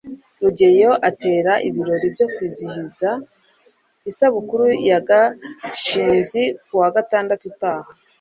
rugeyo atera ibirori byo kwizihiza isabukuru ya gashinzi kuwa gatandatu utaha